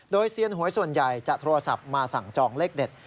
โดยเซียนหวยส่วนใหญ่จะโทรศัพท์มาสั่งจองเลขเด็ด